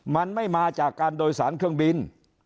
มันไม่มาจากการโดยสารเครื่องบิน